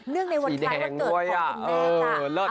เนื่องในวันไทยวันเกิดของคุณแม่ค่ะ